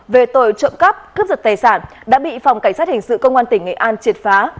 về tội trộm cắp cướp giật tài sản đã bị phòng cảnh sát hình sự công an tỉnh nghệ an triệt phá